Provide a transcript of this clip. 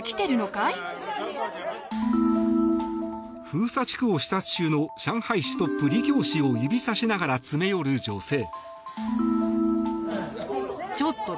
封鎖地区を視察中の上海市トップ、リ・キョウ氏を指さしながら詰め寄る女性。